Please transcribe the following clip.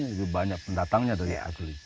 itu banyak pendatangnya dari asli